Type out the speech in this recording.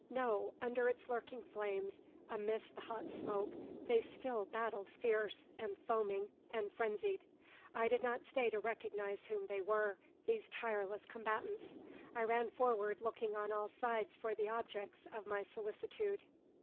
No! Under its lurking flames, amidst the hot smoke, they still battled fierce, and foaming, and frenzied. I did not stay to recognise whom they were, these tireless combatants. I ran forward, looking on all sides for the objects of my solicitude.